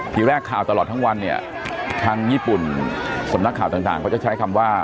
ทีแรกข่าวตลอดทั้งวันเนี่ยทางญี่ปุ่นสำนักข่าวต่างเขาจะใช้คำว่า